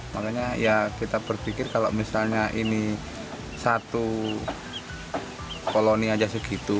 makanya ya kita berpikir kalau misalnya ini satu koloni aja segitu